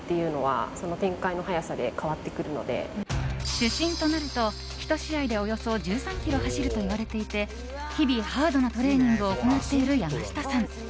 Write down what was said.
主審となると、１試合でおよそ１３ｋｍ走るといわれていて日々、ハードなトレーニングを行っている山下さん。